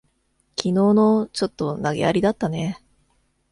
きのうの、ちょっと投げやりだったね。